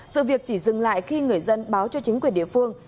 sự việc chỉ dừng lại khi người dân báo cho chính quyền địa phương